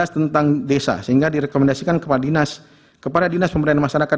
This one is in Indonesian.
dua ribu empat belas tentang desa sehingga direkomendasikan kepada dinas kepada dinas pemerintahan masyarakat